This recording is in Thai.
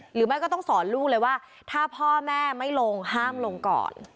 หรือไม่ก็ต้องสอนลูกเลยว่าถ้าพ่อแม่ไม่ลงห้ามลงก่อน